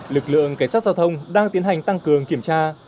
lực lượng cảnh sát giao thông đang tiến hành tăng cường kiểm tra